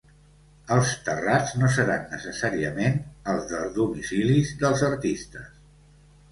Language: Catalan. Els terrats no seran necessàriament els dels domicilis dels artistes.